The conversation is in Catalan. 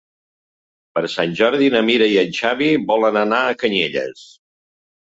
Per Sant Jordi na Mira i en Xavi volen anar a Canyelles.